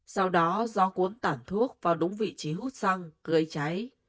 sau đó do cuốn tản thuốc vào đúng vị trí hút xăng gây cháy